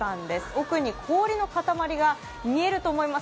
奥に氷の塊が見えると思います。